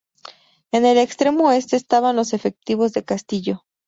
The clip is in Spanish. En el extremo oeste estaban los efectivos de Castillo.